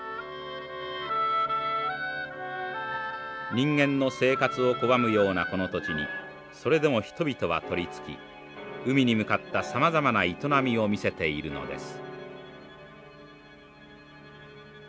人間の生活を拒むようなこの土地にそれでも人々は取り付き海に向かったさまざまな営みを見せているのです。